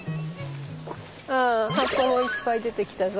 あ葉っぱもいっぱい出てきたぞ。